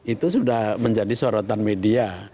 itu sudah menjadi sorotan media